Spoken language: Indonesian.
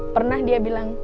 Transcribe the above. pernah dia bilang